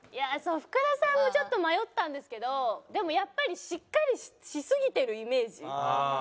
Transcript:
そう福田さんもちょっと迷ったんですけどでもやっぱりしっかりしすぎてるイメージ。